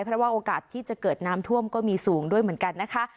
เพราะว่าโอกาสที่จะเกิดน้ำท่วมก็มีสูงด้วยเหมือนกันนะคะ